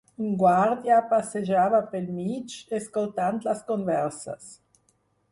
Un guàrdia passejava pel mig, escoltant les converses.